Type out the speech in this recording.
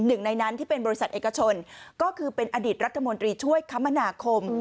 หนึ่งในนั้นที่เป็นบริษัทเอกชนก็คือเป็นอดีตรัฐมนตรีช่วยคมนาคม